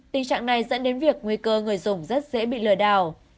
tình trạng này dẫn đến việc nguy cơ người dùng rất dễ bị lừa đảo